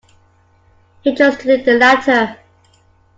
He chose to do the latter.